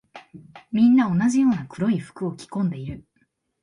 みんな同じような黒い服を着込んでいる。